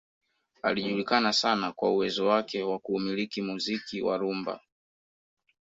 Alijulikana sana kwa uwezo wake wa kuumiliki muziki wa rumba